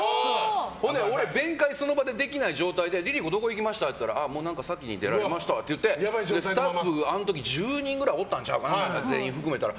それで、弁解その場でできない状態でＬｉＬｉＣｏどこ行きました？って言うたら先に出られましたって言うてあの時、スタッフ全員１０人ぐらいおったんちゃうかな全員含めたら。